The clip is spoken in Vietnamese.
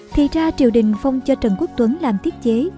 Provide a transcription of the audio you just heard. thì ra triều đình phong cho trần quốc tuấn làm tiết chế